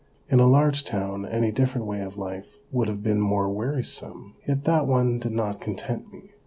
In a large town any different way of life would have been more wearisome, yet that one did not content me.